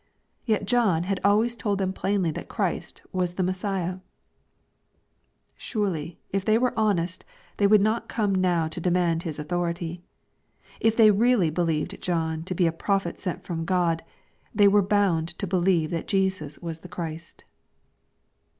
Yet John had alwa^ told them plainly that Christ was the Messiah 1 Surely, if they were honest they would not come now to demand His authority. If they really believed John to be a prophet sent from God,^ they were bound to believe that Jesus was the Christ."